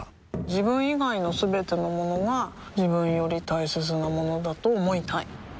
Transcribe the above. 自分以外のすべてのものが自分より大切なものだと思いたい